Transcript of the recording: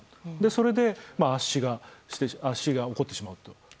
それで、圧死が起こってしまうと。